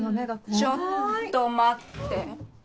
ちょっと待って。